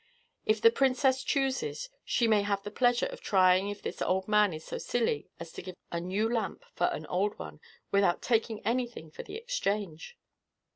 If the princess chooses, she may have the pleasure of trying if this old man is so silly as to give a new lamp for an old one, without taking anything for the exchange."